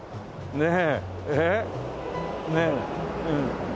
ねえ。